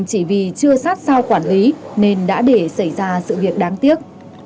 chỉ vì chưa sát sao quản lý nên đã để xảy ra sự việc đáng tiếc